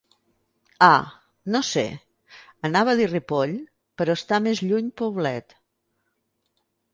Ah, no sé, anava a dir Ripoll, però està més lluny Poblet.